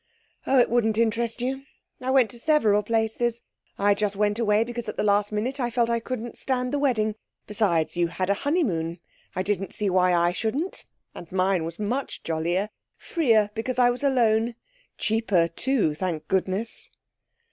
'Oh, it wouldn't interest you. I went to several places. I just went away because at the last minute I felt I couldn't stand the wedding. Besides, you had a honeymoon. I didn't see why I shouldn't. And mine was much jollier freer, because I was alone. Cheaper, too, thank goodness!'